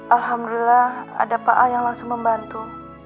alhamdulillah ada pak a yang langsung membantu